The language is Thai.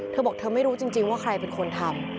เธอบอกเธอไม่รู้จริงว่าใครเป็นคนทำ